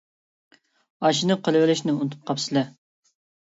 ئاشۇنى قىلىۋېلىشنى ئۇنتۇپ قاپسىلە!